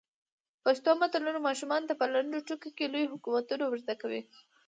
پښتو متلونه ماشومانو ته په لنډو ټکو کې لوی حکمتونه ور زده کوي.